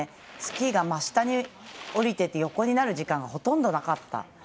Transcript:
スキーが真下に下りてて真横になる時間がほとんどなかった。